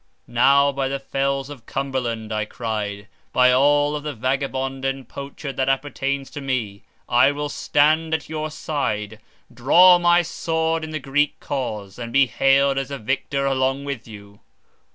"Now by the fells of Cumberland," I cried, "by all of the vagabond and poacher that appertains to me, I will stand at your side, draw my sword in the Greek cause, and be hailed as a victor along with you!"